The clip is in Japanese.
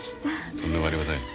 とんでもありません。